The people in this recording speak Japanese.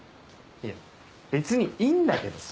いや別にいいんだけどさ。